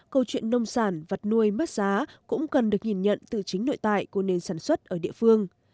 câu chuyện nông sản vật nuôi mất giá cũng cần được nhìn nhận từ chính nội tại của nền sản xuất ở địa phương